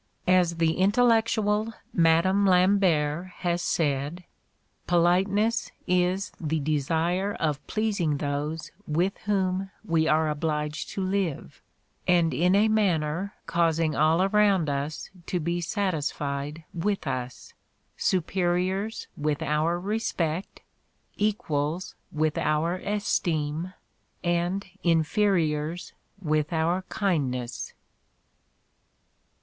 As the intellectual Madam Lambert has said, 'Politeness is the desire of pleasing those with whom we are obliged to live, and in a manner causing all around us to be satisfied with us; superiors, with our respect; equals, with our esteem; and inferiors, with our kindness.'